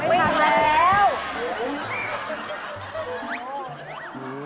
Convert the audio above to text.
ไม่ต้องแล้ว